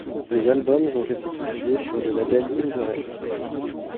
Les albums ont été publiés sur le label In the Red.